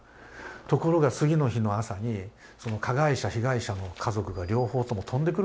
ところが次の日の朝にその加害者被害者の家族が両方とも飛んでくるわけですよ。